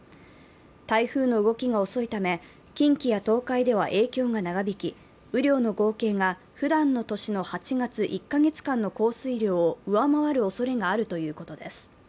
台風の動きが遅いため近畿や東海では影響が長引き雨量の合計がふだんの年の８月１か月間の降水量を上回るおそれがあるということです。